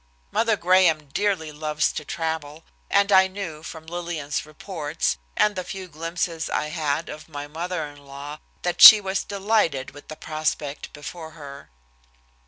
Mother Graham dearly loves to travel, and I knew from Lillian's reports and the few glimpses I had of my mother in law that she was delighted with the prospect before her.